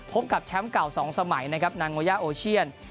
พบกับแชมป์เก่า๒สมัยนะครับนางโวยาโอเชียน